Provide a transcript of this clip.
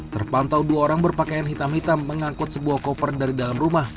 terpantau dua orang berpakaian hitam hitam mengangkut sebuah koper dari dalam rumah